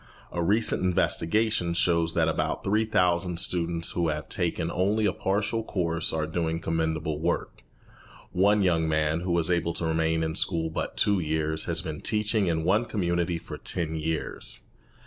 A recent investigation shows that about 3,000 students who have taken only a partial course are doing commendable work. One young man, who was able to remain in school but two years, has been teaching in one community for ten years.